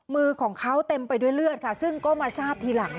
มือของเขาเต็มไปด้วยเลือดค่ะซึ่งก็มาทราบทีหลัง